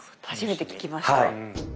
初めて聞きました。